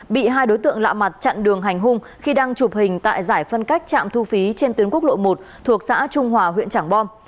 bị hai đối tượng lạ mặt chặn đường hành hung khi đang chụp hình tại giải phân cách trạm thu phí trên tuyến quốc lộ một thuộc xã trung hòa huyện trảng bom